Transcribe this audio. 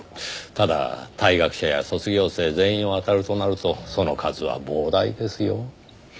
ただ退学者や卒業生全員をあたるとなるとその数は膨大ですよ。